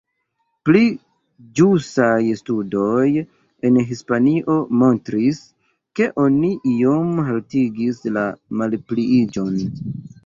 Pli ĵusaj studoj en Hispanio montris, ke oni iom haltigis la malpliiĝon.